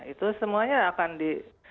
itu semuanya akan di